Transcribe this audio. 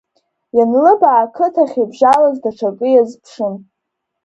Ианлыбаа ақыҭахь ибжьалоз даҽакы иазԥшын.